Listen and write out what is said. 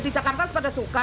di jakarta pada suka